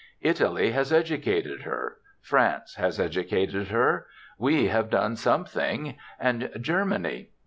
Italy has educated her; France has educated her; we have done something; and Germany.